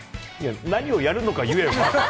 何をやるのか言えよ、まず。